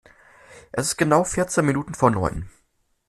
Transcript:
Es ist genau vierzehn Minuten vor neun!